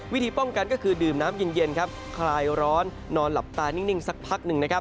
วิธีป้องกันก็คือดื่มน้ำเย็นครับคลายร้อนนอนหลับตานิ่งสักพักหนึ่งนะครับ